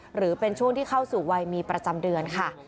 หรือเป็นช่วงที่เข้าสู่วัยมีประจำเดือนค่ะ